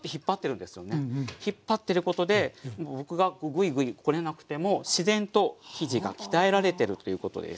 引っ張ってることで僕がグイグイこねなくても自然と生地が鍛えられてるということです。